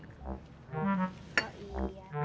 ini belum dihidupin